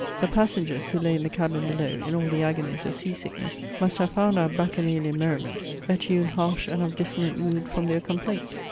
The passengers, who lay in the cabin below in all the agonies of sea sickness, must have found our bacchanalian merriment a tune Harsh and of dissonant mood from their complaint.